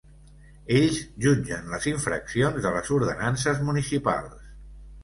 Ells jutgen les infraccions de les ordenances municipals.